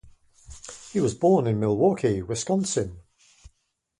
He was born in Milwaukee, Wisconsin.